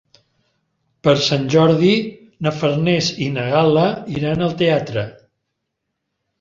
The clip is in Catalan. Per Sant Jordi na Farners i na Gal·la iran al teatre.